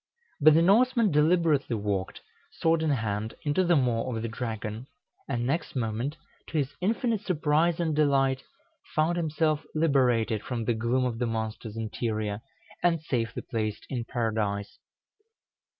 But the Norseman deliberately walked, sword in hand, into the maw of the dragon, and next moment, to his infinite surprise and delight, found himself liberated from the gloom of the monster's interior, and safely placed in Paradise.